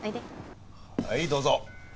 はいどうぞ。